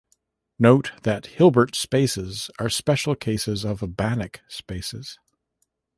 Note that Hilbert spaces are special cases of Banach spaces.